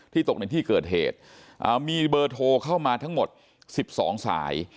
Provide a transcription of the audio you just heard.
ตกในที่เกิดเหตุมีเบอร์โทรเข้ามาทั้งหมด๑๒สาย